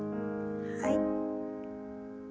はい。